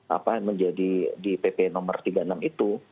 apa yang menjadi di pp no tiga puluh enam itu